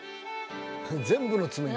全部の爪に。